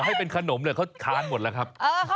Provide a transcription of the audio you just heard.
ให้เป็นขนมเลยเขาทานหมดแล้วครับ